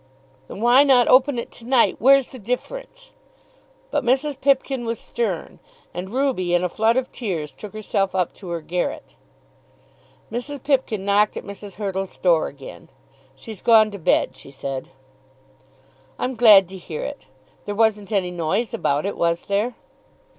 "Then why not open it to night? Where's the difference?" But Mrs. Pipkin was stern, and Ruby, in a flood of tears, took herself up to her garret. Mrs. Pipkin knocked at Mrs. Hurtle's door again. "She's gone to bed," she said. "I'm glad to hear it. There wasn't any noise about it; was there?"